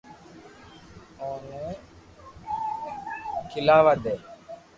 اوني کھيلوا دي